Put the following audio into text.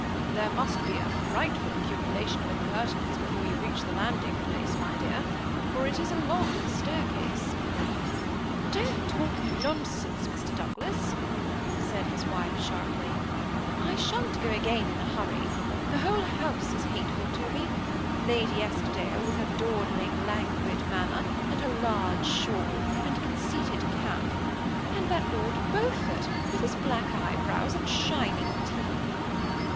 " There must be a frightful accumulation of imper tinence before you reach the landing place, my dear; for it is a long staircase." " Don't talk nonsense, Mr. Douglas," said his wife^ 1 6 THE SEMI ATTACHED COUPLE. sharply. " I shan't go again in a huriy. That whole h ouse is hateful to me : Lady Eskdale, with her dawd ling, languid manner, and her large shawl, and conceit ed cap ; and that Lord Beaufort, with his black eye brows and shining teeth.